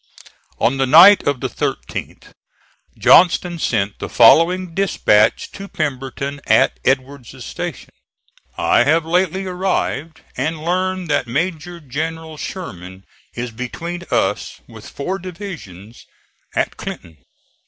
On the night of the 13th Johnston sent the following dispatch to Pemberton at Edward's station: "I have lately arrived, and learn that Major General Sherman is between us with four divisions at Clinton.